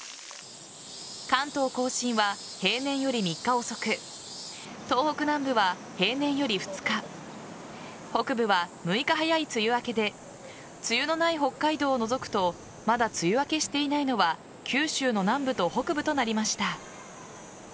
関東甲信は平年より３日遅く東北南部は平年より２日北部は６日早い梅雨明けで梅雨のない北海道を除くとまだ梅雨明けしていないのは九州の南部と北部となりました。